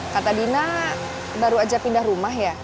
kata dina baru aja pindah rumah ya